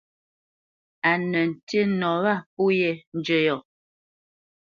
Á nə ntî nɔ wâ pó yē njə́ yɔ̂.